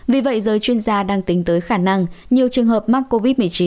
vì vậy giới chuyên gia đang tính tới khả năng nhiều trường hợp mắc covid một mươi chín